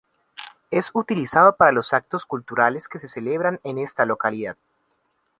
Es utilizado para los actos culturales que se celebran en esta localidad.